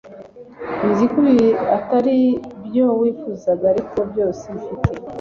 Nzi ko ibi atari byo wifuzaga ariko byose mfite